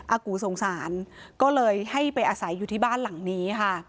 กูสงสารก็เลยให้ไปอาศัยอยู่ที่บ้านหลังนี้ค่ะ